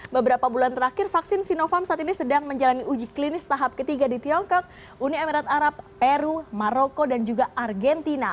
beberapa bulan terakhir vaksin sinovac saat ini sedang menjalani uji klinis tahap ketiga di tiongkok uni emirat arab peru maroko dan juga argentina